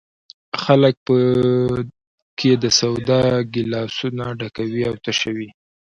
خلک په کې د سودا ګیلاسونه ډکوي او تشوي.